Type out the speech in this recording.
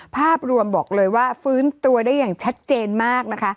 ภาพรวมบอกเลยว่าฟื้นตัวได้อย่างชัดเจนมากนะคะ